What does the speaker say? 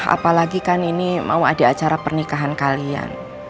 apalagi kan ini mau ada acara pernikahan kalian